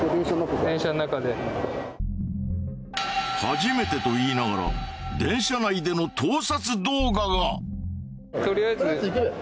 初めてと言いながら電車内での盗撮動画が。